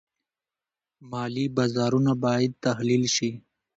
مالي بازارونه باید تحلیل شي.